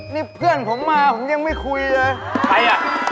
นี่เพื่อนผมมาผมยังไม่คุยเลย